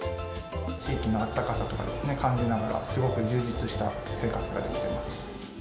地域のあったかさとか感じながら、すごく充実した生活ができてます。